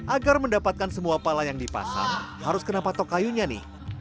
agar mendapatkan semua pala yang dipasang harus kena patok kayunya nih